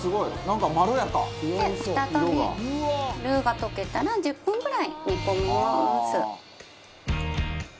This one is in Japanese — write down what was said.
なんかまろやか！」で再びルーが溶けたら１０分ぐらい煮込みます。